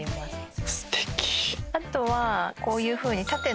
あとはこういうふうに。